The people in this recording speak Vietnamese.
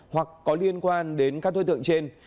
hoặc có liên quan đến các đối tượng trên